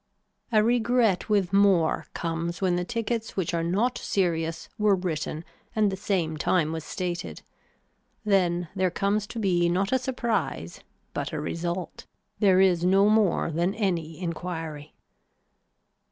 A regret with more comes when the tickets which are not serious were written and the same time was stated. Then there comes to be not a surprise but a result. There is no more than any enquiry.